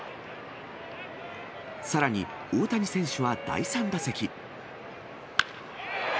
さらに大谷選手は第３打席。